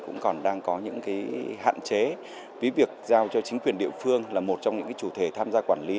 cũng còn đang có những hạn chế vì việc giao cho chính quyền địa phương là một trong những chủ thể tham gia quản lý